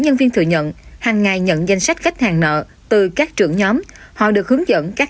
khách hàng đòi nhận hàng ngày nhận danh sách khách hàng nợ từ các trưởng nhóm họ được hướng dẫn các